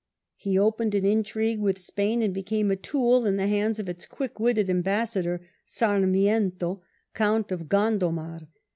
He opened an intrigue with Spain, and Became a tool in the hands of its quick witted ambassador, Sarmiento, Count of Gondomar.